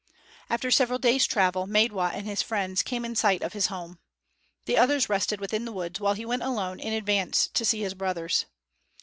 After several days' travel, Maidwa and his friends came in sight of his home. The others rested within the woods while he went alone in advance to see his brothers.